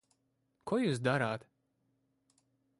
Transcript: Ko jūs darāt?